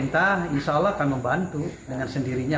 insya allah akan membantu dengan sendirinya